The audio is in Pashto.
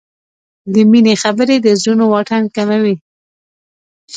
د مینې خبرې د زړونو واټن کموي.